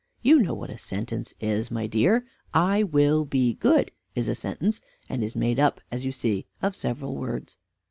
"You know what a sentence is, my dear. 'I will be good' is a sentence; and is made up, as you see, of several words."